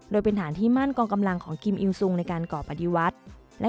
โดยเป็นฐานที่มั่นกองกำลังของกิมอิวซุงในการก่อปฏิวัติ